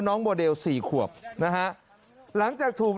น้องเสียแล้วลูก